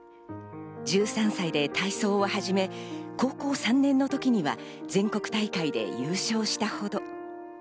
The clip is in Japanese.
１３歳で体操を始め、高校３年の時には全国大会で優勝したほど。